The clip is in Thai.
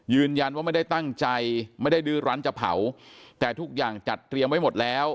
ยืนยันว่าไม่ได้ตั้งใจไม่ได้ดื้อร้านจะเผาแต่ทุกอย่างจัดเตรียมไว้หมดแล้ว